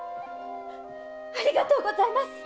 ありがとうございます！